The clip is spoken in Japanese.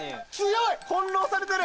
翻弄されてる。